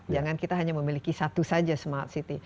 jangan kita hanya memiliki satu saja smart city